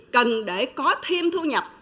cần để có thêm thu nhập